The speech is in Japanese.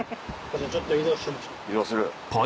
移動する。